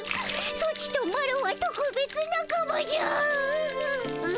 ソチとマロはとくべつなかまじゃ。